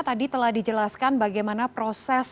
tadi telah dijelaskan bagaimana proses